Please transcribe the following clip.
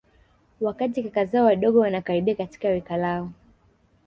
wakati kaka zao wadogo wanakaribia katika rika lao